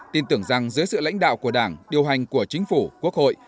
tin tưởng rằng dưới sự lãnh đạo của đảng điều hành của chính phủ quốc hội